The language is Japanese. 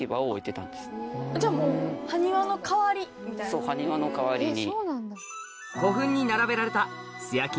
そう埴輪の代わりに。